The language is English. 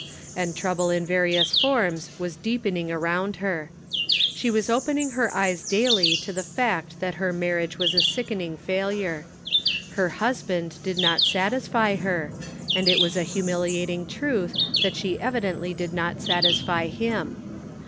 And trouble in various forms was deepening around her. She was opening her eyes daily to the fact that her marriage was a sickening failure. Her husband did not satisfy her, and it was a humiliating truth that she evi dently did not satisfy him.